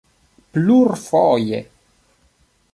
plurfoje